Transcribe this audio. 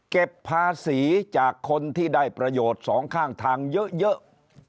เก็บภาษีจากคนที่ได้ประโยชน์สองข้างทางเยอะ